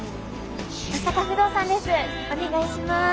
お願いします。